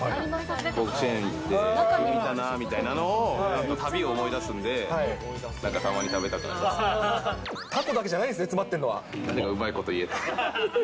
甲子園見に行って、見たなみたいなのを旅を思い出すんで、なんかたまに食べたくなりたこだけじゃないんですね、うまいこと言えって。